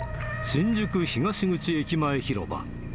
新宿東口駅前広場。